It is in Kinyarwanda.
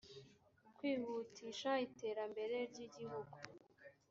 kwihutisha iterambere ry igihugu